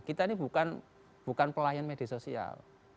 kita ini bukan pelayan media sosial